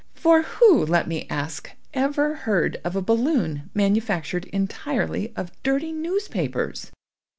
For who, let me ask, ever heard of a balloon manufactured entirely of dirty newspapers?